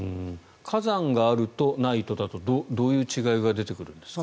火山があると、ないとだとどういう違いが出てくるんですか？